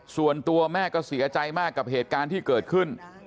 ส่วนตัวแม่ก็เสียใจมากกับเหตุการณ์ที่เกิดขึ้น